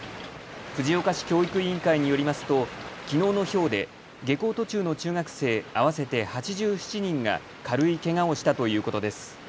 藤岡市教育委員会によりますときのうのひょうで下校途中の中学生合わせて８７人が軽いけがをしたということです。